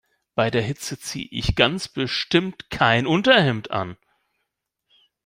Bei der Hitze ziehe ich ganz bestimmt kein Unterhemd an.